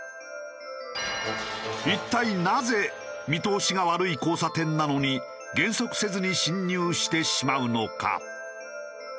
一体なぜ見通しが悪い交差点なのに減速せずに進入してしまうのか？